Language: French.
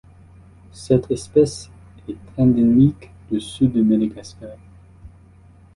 Cette espèce est endémique du Sud de Madagascar.